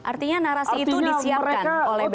artinya narasi itu disiapkan oleh bp